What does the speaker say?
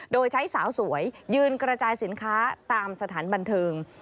โดยใช้สาวสวยยืนกระจายสินค้าตามสถานบันเทิง